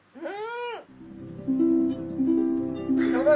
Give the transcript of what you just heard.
うん！